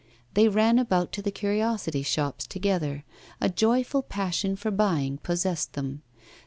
They ran about to the curiosity shops together; a joyful passion for buying possessed them.